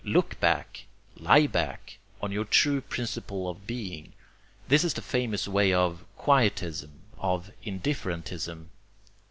Look back, LIE back, on your true principle of being! This is the famous way of quietism, of indifferentism.